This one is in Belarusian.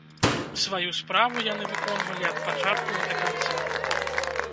Сваю справу яны выконвалі ад пачатку і да канца.